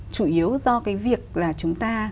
chủ yếu do cái việc là chúng ta